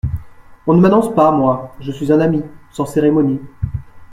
On ne m’annonce pas, moi… je suis un ami… sans cérémonie…